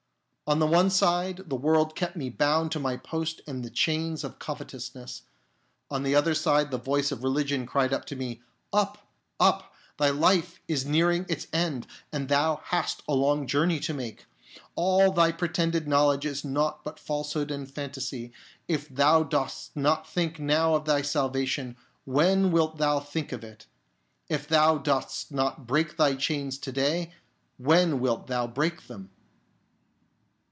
On the one side the world kept me bound to my post in the chains of covetousness, on the other side the voice of religion cried to me, " Up ! Up ! thy life is nearing its end, and thou hast a long journey to make. 44 HIS CONVERSION All thy pretended knowledge is nought but false hood and fantasy. If thou dost not think now of thy salvation, when wilt thou think of it ? If thou dost not break thy chains to day, when wilt thou break them